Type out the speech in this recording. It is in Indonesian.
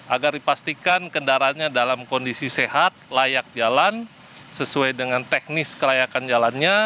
agar dipastikan kendaraannya dalam kondisi sehat layak jalan sesuai dengan teknis kelayakan jalannya